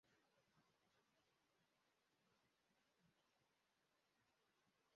Umugore wogeje izuba yambaye ubusa asoma igitabo